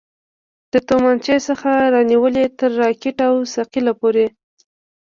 له تمانچې څخه رانيولې تر راکټ او ثقيله پورې.